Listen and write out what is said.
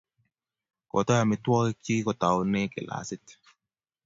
kotoi amitwogik chik kotaune kee glasit